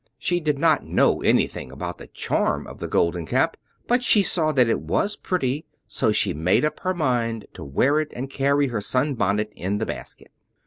She did not know anything about the charm of the Golden Cap, but she saw that it was pretty, so she made up her mind to wear it and carry her sunbonnet in the basket.